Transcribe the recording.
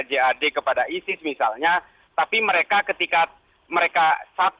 ya saya sudah mengatakan ketika martabat